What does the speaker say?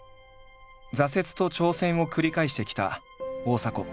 挫折と挑戦を繰り返してきた大迫。